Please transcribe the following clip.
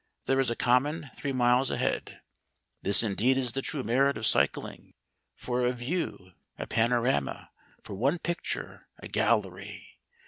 There is a common three miles ahead. This indeed is the true merit of cycling. For a view, a panorama; for one picture, a gallery.